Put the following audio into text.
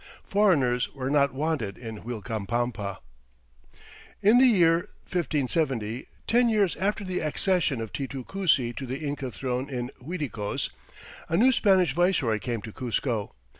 Foreigners were not wanted in Uilcapampa. In the year 1570, ten years after the accession of Titu Cusi to the Inca throne in Uiticos, a new Spanish viceroy came to Cuzco.